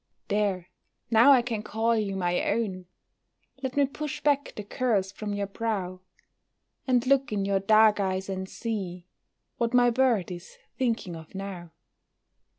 There, now I can call you my own! Let me push back the curls from your brow, And look in your dark eyes and see What my bird is thinking of now.